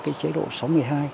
chế độ số một mươi hai